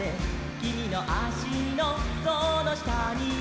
「きみのあしのそのしたには」